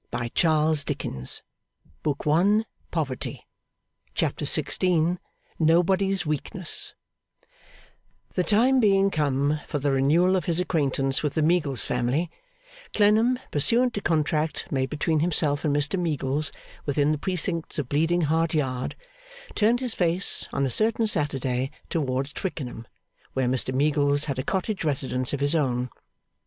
You have been dreaming again!' CHAPTER 16. Nobody's Weakness The time being come for the renewal of his acquaintance with the Meagles family, Clennam, pursuant to contract made between himself and Mr Meagles within the precincts of Bleeding Heart Yard, turned his face on a certain Saturday towards Twickenham, where Mr Meagles had a cottage residence of his own.